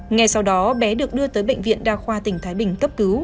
ngay sau đó bé được đưa tới bệnh viện đa khoa tỉnh thái bình cấp cứu